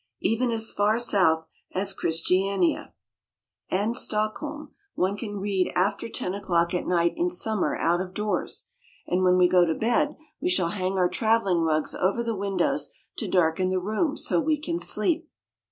Even as far south as Christiania 164 SCANDINAVIA. and Stockholm one can read after ten o'clock at night in summer out of doors, and when we go to bed we shall hang our traveling rugs over the windows to darken the room so we can sleep.